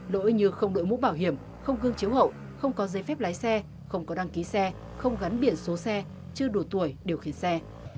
lỗi như không đội mũ bảo hiểm không gương chiếu hậu không có giấy phép lái xe không có đăng ký xe không gắn biển số xe chưa đủ tuổi điều khiển xe